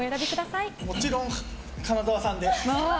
もちろん花澤さんで。